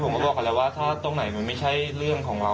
มาบอกเขาแล้วว่าถ้าตรงไหนมันไม่ใช่เรื่องของเรา